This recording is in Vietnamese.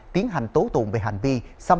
tiến hành tố tụng về hạ tầng